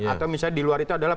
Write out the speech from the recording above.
atau misalnya di luar itu adalah